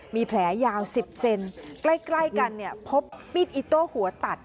มีแผลยาว๑๐เซนใกล้กันเนี่ยพบมีดอิโต้หัวตัด